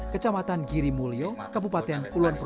kecamatan girimulyo kabupaten pulau negeri